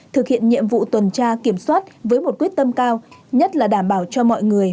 thực hiện nhiệm vụ tuần tra kiểm soát với một quyết tâm cao nhất là đảm bảo cho mọi người